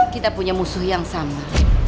kita punya musuh yang sama